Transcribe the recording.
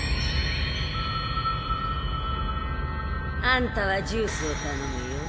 あんたはジュースをたのむよ。